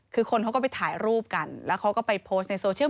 คือคนเขาก็ไปถ่ายรูปกันแล้วเขาก็ไปโพสต์ในโซเชียล